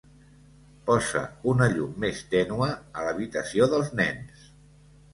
Posa una llum més tènua a l'habitació dels nens.